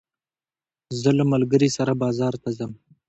زه له ملګري سره بازار ته ځم.